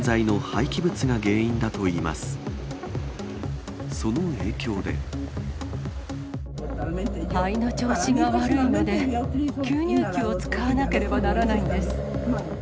肺の調子が悪いので、吸入器を使わなければならないんです。